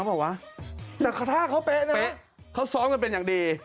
เปล่าวะแต่ถ้าเขาเป๊ะนะเป๊ะเขาซ้อมกันเป็นอย่างดี